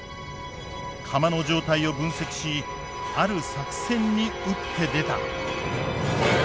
釜の状態を分析しある作戦に打って出た。